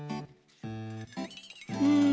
うん。